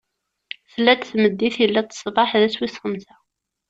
Tella-d tmeddit, illa-d ṣṣbeḥ: d ass wis xemsa.